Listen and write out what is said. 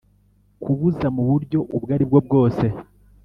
kubuza mu buryo ubwo aribwo bwose